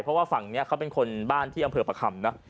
เพราะว่าฝั่งนี้เขาเป็นคนบ้านที่อำเภอประคำนะ